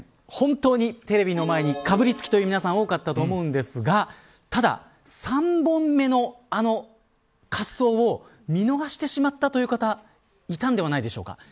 本当にテレビの前にかぶりつきという皆さん多かったと思うんですがただ、３本目のあの滑走を見逃してしまったという方いたんではないでしょうか。